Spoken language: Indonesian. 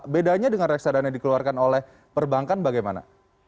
bedanya dengan reksadana yang dikeluarkan oleh perbankan bagaimana